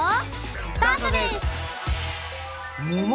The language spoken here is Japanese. スタートです！